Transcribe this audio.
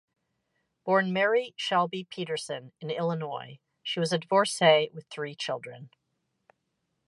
Born Mary Shelby Peterson in Illinois, she was a divorcee with three children.